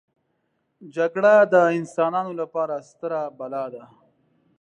جګړه د انسانانو لپاره ستره بلا ده